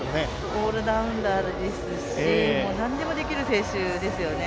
オールラウンダーですしなんでもできる選手ですよね。